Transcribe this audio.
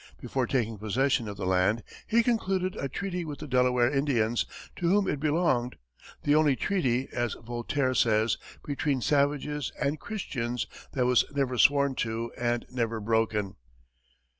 Before taking possession of the land, he concluded a treaty with the Delaware Indians, to whom it belonged, "the only treaty," as Voltaire says, "between savages and Christians that was never sworn to and never broken."